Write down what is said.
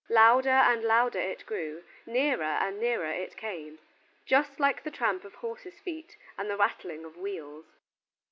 Louder and louder it grew, nearer and nearer it came, just like the tramp of horses' feet and the rattling of wheels.